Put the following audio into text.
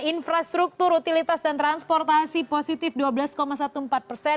infrastruktur utilitas dan transportasi positif dua belas empat belas persen